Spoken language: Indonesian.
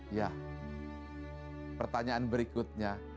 ya pertanyaan berikutnya